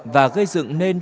và gây dựng nên